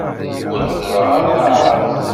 Ur heddreɣ ara taεrabt.